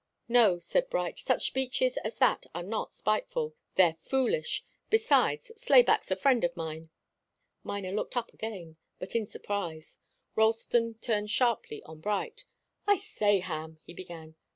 "No," said Bright. "Such speeches as that are not spiteful. They're foolish. Besides, Slayback's a friend of mine." Miner looked up again, but in surprise. Ralston turned sharply on Bright. "I say, Ham " he began.